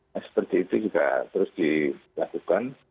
nah seperti itu juga terus dilakukan